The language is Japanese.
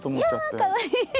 かわいい。